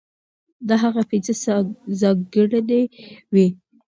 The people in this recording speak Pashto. دا هغه پنځه ځانګړنې وې،